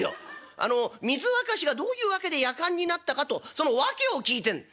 水沸かしがどういう訳でやかんになったかとその訳を聞いてんの」。